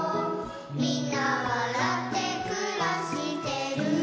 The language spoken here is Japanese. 「みんなわらってくらしてる」